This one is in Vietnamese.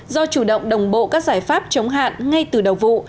do chủ động đồng bộ các giải pháp chống hạn ngay từ đầu vụ